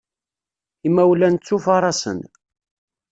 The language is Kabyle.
Imawlan ttufaṛasen.